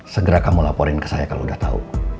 segera kamu laporin ke saya kalau udah tahu